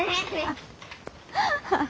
ハハハッ！